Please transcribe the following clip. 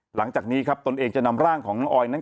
หลังจากนี้ครับตนเองจะนำร่างของน้องออยนั้น